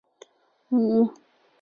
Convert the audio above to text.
并传至高句丽。